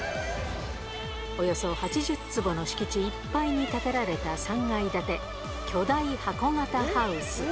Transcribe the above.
およそ８０坪の敷地いっぱいに建てられた３階建て、巨大箱型ハウス。